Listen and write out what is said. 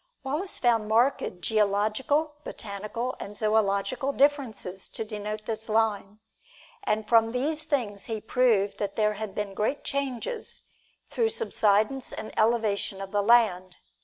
Wallace found marked geological, botanical and zoological differences to denote his line. And from these things he proved that there had been great changes, through subsidence and elevation of the land.